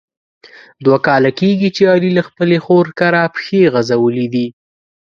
دوه کاله کېږي چې علي له خپلې خور کره پښې غزولي دي.